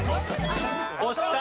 押した。